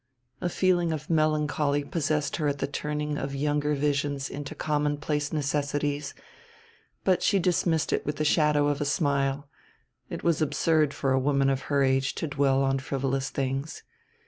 A feeling of melancholy possessed her at the turning of younger visions into commonplace necessities, but she dismissed it with the shadow of a smile it was absurd for a woman of her age to dwell on such frivolous things.